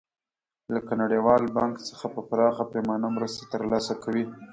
لکه نړیوال بانک څخه په پراخه پیمانه مرستې تر لاسه کوي.